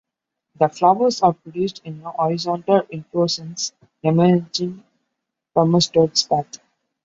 The flowers are produced in a horizontal inflorescence emerging from a stout spathe.